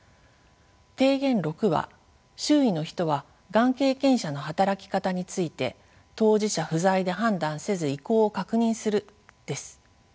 提言６は周囲の人はがん経験者の働き方について当事者不在で判断せず意向を確認するです。